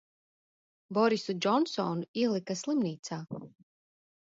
Borisu Džonsonu ielika slimnīcā.